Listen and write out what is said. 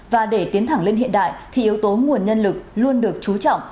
và để tiến thẳng lên hiện đại thì yếu tố nguồn nhân lực luôn được trú trọng